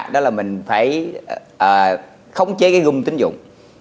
đó là mình phải khống chế cái gung tính dụng